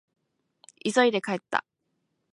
急いで帰った。